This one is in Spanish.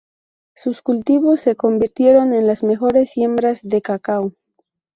Sus cultivos se convirtieron en las mejores siembras de cacao.